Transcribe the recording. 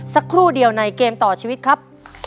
สักครู่เดียวในเกมต่อชีวิตครับ